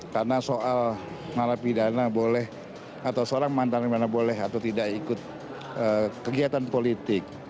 karena soal mengalami pidana boleh atau seorang mantan dimana boleh atau tidak ikut kegiatan politik